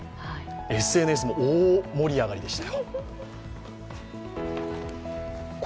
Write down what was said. ＳＮＳも大盛り上がりでした。